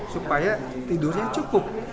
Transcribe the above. supaya tidurnya cukup